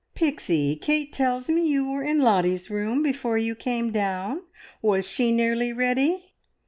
"Pixie, Kate tells me you were in Lottie's room before you came down. Was she nearly ready?"